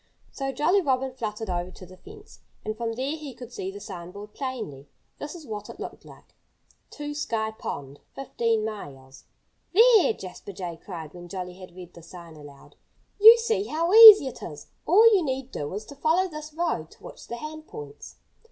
So Jolly Robin fluttered over to the fence. And from there he could see the sign board plainly. This is what it looked like: TO SKY POND, 15 MILES "There!" Jasper Jay cried, when Jolly had read the sign aloud. "You see how easy it is. All you need do is to follow this road to which the hand points."